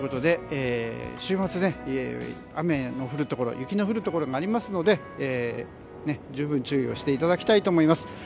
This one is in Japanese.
週末、雨の降るところ雪の降るところがありますので十分注意をしていただきたいと思います。